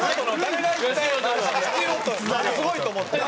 すごいと思って。